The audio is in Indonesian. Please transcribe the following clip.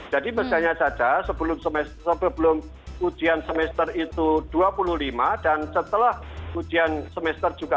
jadi misalnya saja sebelum ujian semester itu dua puluh lima dan setelah ujian semester juga dua puluh lima